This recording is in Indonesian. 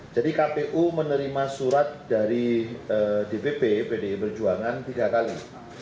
jadi kpu menerima surat dari dpp pdi perjuangan tiga kali